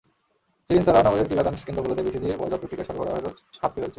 Syringe ছাড়াও নগরের টিকাদান কেন্দ্রগুলোতে বিসিজির পর্যাপ্ত টিকা সরবরাহেরও ঘাটতি রয়েছে।